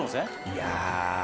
いや。